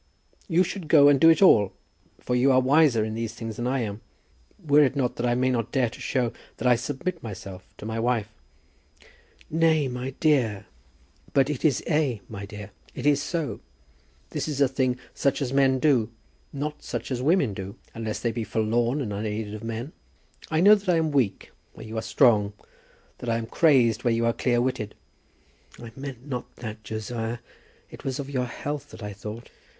"You should go and do it all, for you are wiser in these things than I am, were it not that I may not dare to show that I submit myself to my wife." "Nay, my dear!" "But it is ay, my dear. It is so. This is a thing such as men do; not such as women do, unless they be forlorn and unaided of men. I know that I am weak where you are strong; that I am crazed where you are clear witted." "I meant not that, Josiah. It was of your health that I thought."